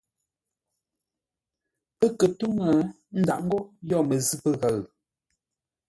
Pə́ kə̂ ntó ńŋə́, ə́ ndǎʼ ńgó yo məzʉ̂ pəghəʉ.